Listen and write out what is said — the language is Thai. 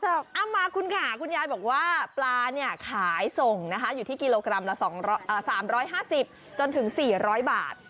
เอามาคุณค่ะคุณยายบอกว่าปลาเนี่ยขายส่งนะคะอยู่ที่กิโลกรัมละ๓๕๐จนถึง๔๐๐บาท